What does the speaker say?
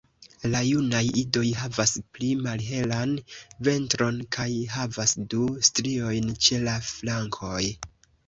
La junaj idoj havas pli malhelan ventron kaj havas du striojn ĉe la flankoj.